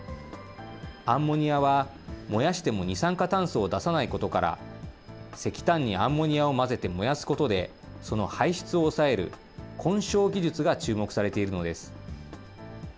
アンモニアは燃やしても二酸化炭素を出さないことから、石炭にアンモニアを混ぜて燃やすことで、その排出を抑える、混焼技術が注目されているのです。